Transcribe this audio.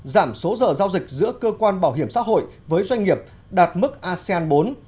giảm số giờ giao dịch giữa cơ quan bảo hiểm xã hội với doanh nghiệp đạt mức asean bốn